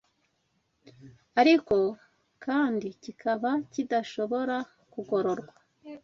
ariko kandi kikaba kidashobora kugororwa